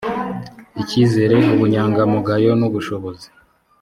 icyizere ubunyangamugayo n ubushobozi